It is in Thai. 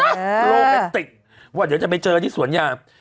โรคมันติดว่าเดี๋ยวจะไปเจอที่สวนยาง